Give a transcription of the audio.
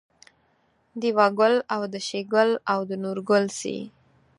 دېوه ګل او د شیګل او د نورګل سي